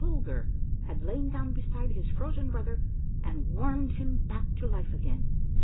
Bulger had lain down beside his frozen brother and warmed him back to life again